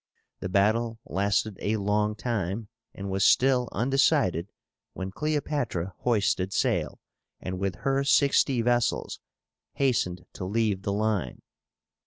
The battle lasted a long time, and was still undecided, when Cleopátra hoisted sail and with her sixty vessels hastened to leave the line.